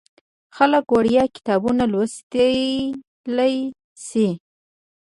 خلک وړیا کتابونه لوستلی شي.